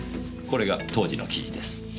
これが当時の記事です。